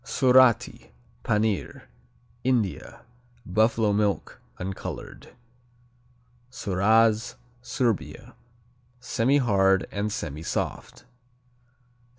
Surati, Panir India Buffalo milk. Uncolored. Suraz Serbia Semihard and semisoft.